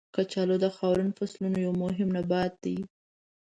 کچالو د خاورین فصلونو یو مهم نبات دی.